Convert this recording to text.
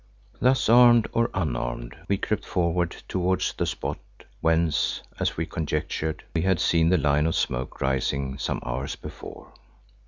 Thus armed, or unarmed, we crept forward towards that spot whence, as we conjectured, we had seen the line of smoke rising some hours before.